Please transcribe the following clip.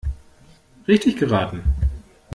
Richtig geraten!